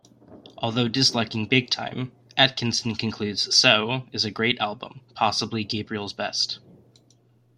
Although disliking "Big Time", Atkinson concludes "So" is "a great album, possibly Gabriel's best".